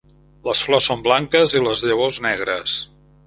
Les flors són blanques i les llavors negres.